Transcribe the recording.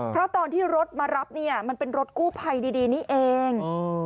เพราะตอนที่รถมารับเนี่ยมันเป็นรถกู้ภัยดีนี่เอง